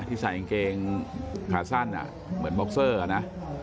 ที่ใส่อังเกงขาดสั้นอ่ะเหมือนบ็อกเซอร์อ่ะนะ